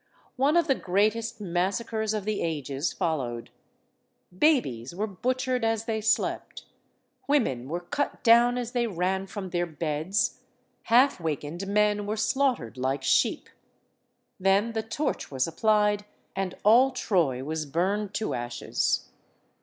One of the greatest massacres of the ages followed. Babies were butchered as they slept, women were cut down as they ran from their beds, half wakened men were slaughtered like sheep. 82 STORIES OF THE SUPER WOMEN Then the torch was applied, and all Troy wad burned to ashes.